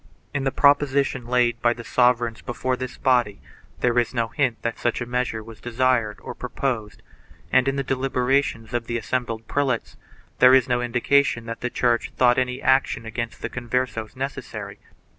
In the propositions laid by the sovereigns before this body there is no hint that such a measure was desired or proposed and, in the deliberations of the assembled prelates, there is no indication that the Church thought any action against the Converses necessary.